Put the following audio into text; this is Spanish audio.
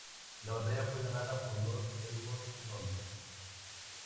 La batalla fue ganada por los elfos Noldor.